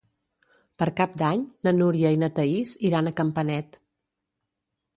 Per Cap d'Any na Núria i na Thaís iran a Campanet.